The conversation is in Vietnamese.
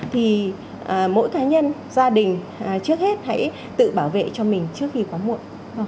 thì mỗi cá nhân gia đình trước hết hãy tự bảo vệ cho mình trước khi có muộn